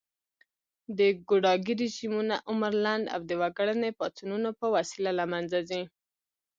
د ګوډاګي رژيمونه عمر لنډ او د وګړني پاڅونونو په وسیله له منځه ځي